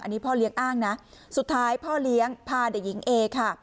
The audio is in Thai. อันนี้พ่อเลี้ยงอ้างนะสุดท้ายพ่อเลี้ยงพาเด็กหญิงเอค่ะ